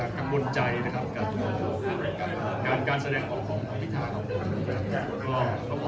กังวลใจกับการแสดงออกความพิทารของเรา